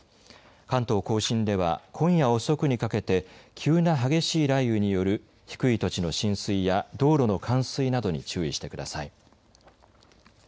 関東甲信では今夜遅くにかけて急な激しい雷雨による低い土地の浸水や道路の冠水などに注意してください。